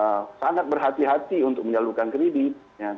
di sisi lain perbankan juga sangat berhati hati untuk menyalurkan kredit perbankan